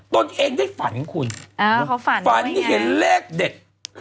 ตนเองได้ฝันคุณฝันเห็นเลขเด็ด